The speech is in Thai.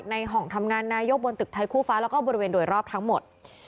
ห้องทำงานนายกบนตึกไทยคู่ฟ้าแล้วก็บริเวณโดยรอบทั้งหมด